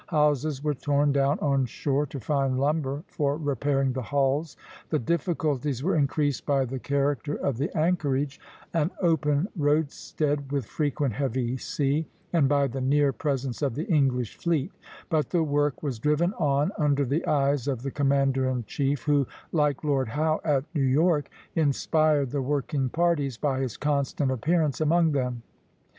Houses were torn down on shore to find lumber for repairing the hulls. The difficulties were increased by the character of the anchorage, an open roadstead with frequent heavy sea, and by the near presence of the English fleet; but the work was driven on under the eyes of the commander in chief, who, like Lord Howe at New York, inspired the working parties by his constant appearance among them.